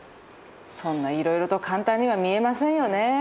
そんないろいろと簡単には見えませんよね。